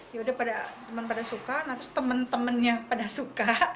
yaudah pada teman pada suka nah terus teman temannya pada suka